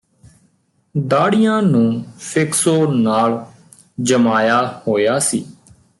ਦਾੜ੍ਹੀਆਂ ਨੂੰ ਫਿਕਸੋ ਨਾਲ ਜਮਾਇਆ ਹੋਇਆ ਸੀ